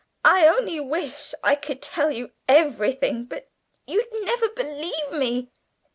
I only wish I could tell you everything; but you'd never believe me!"